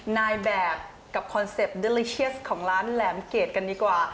นายแบบกับคอนเซ็ปต์เดอลิเชียสของร้านแหลมเกรดกันดีกว่า